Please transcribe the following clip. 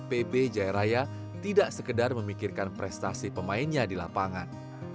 pb jaya raya tidak sekedar memikirkan prestasi pemainnya di lapangan